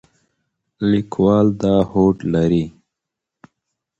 لیکوال دا هوډ لري.